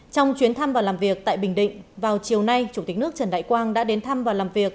trong chuyến thăm và làm việc tại bình định vào chiều nay chủ tịch nước trần đại quang đã đến thăm và làm việc